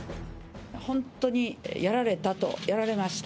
本当にやられたと、やられました。